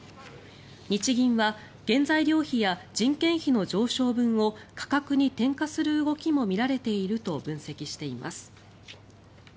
日銀は原材料費や人件費の上昇分を価格に転嫁する動きも見られていると分析しています。